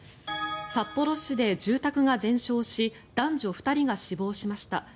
札幌市で住宅が全焼し男女２人が死亡しました。